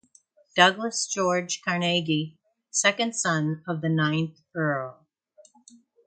Douglas George Carnegie, second son of the ninth Earl.